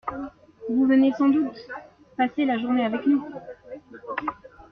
Vous venez sans doute passer la journée avec nous ?